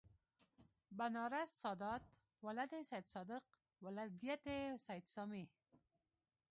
بنارس سادات ولد سیدصادق ولدیت سید سامي